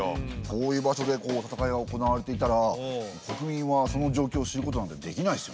遠い場所で戦いが行われていたら国民はその状況を知ることなんてできないですよね。